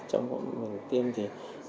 trong khi tiêm thì